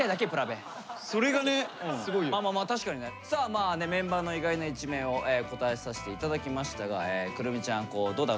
あメンバーの意外な一面を答えさせて頂きましたがくるみちゃんどうだろう。